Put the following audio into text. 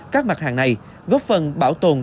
các mặt hàng này góp phần bảo tồn